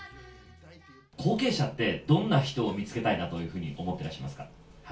後継者って、どんな人を見つけたいなとふうに思ってらっしゃいますか。